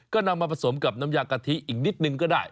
ก็นำมาผสมกับน้ำยากะทิอีกนิดนึงก็ได้